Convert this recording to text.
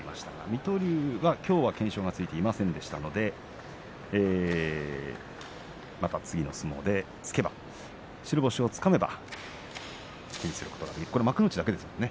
水戸龍には懸賞がついていませんでしたのでまた次の相撲でつけば白星をつかめば手にすることができるこれは幕内だけですものね